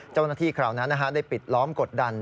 เจ้าหน้าที่คราวนั้นได้ปิดล้อมกดดัน